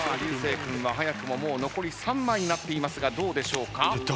君は早くも残り３枚になっていますがどうでしょうか？